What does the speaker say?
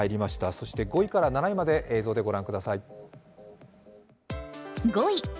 そして５位から７位まで映像でご覧ください。